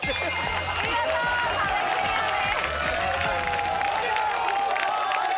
見事壁クリアです。